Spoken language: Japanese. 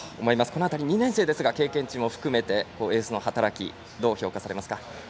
この辺り、２年生ですが経験値も含めエースの働きをどう評価されますか？